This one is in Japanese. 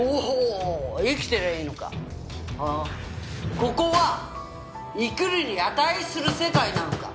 ここは生きるに値する世界なのか？